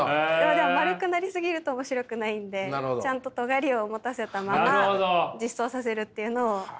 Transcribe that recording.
でも丸くなりすぎると面白くないんでちゃんととがりを持たせたまま実装させるっていうのを。